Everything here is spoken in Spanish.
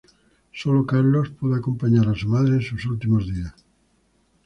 Solo Carlos pudo acompañar a su madre en sus últimos días.